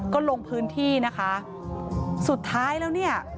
ก็ลงพื้นที่นะคะสุดท้ายแล้วเนี่ย